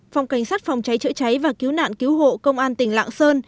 phòng cảnh sát phòng cháy chữa cháy và cứu nạn cứu hộ công an tỉnh lạng sơn